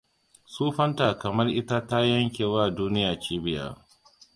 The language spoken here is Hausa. Tsufanta kamar ita ta yankewa duniya cibiya.